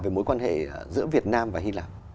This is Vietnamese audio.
về mối quan hệ giữa việt nam và hy lạp